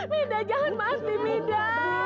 mida jangan mati mida